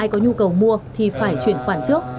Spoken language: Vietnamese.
có nhu cầu mua thì phải chuyển khoản trước